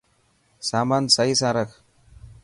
سامان سهي سان رک.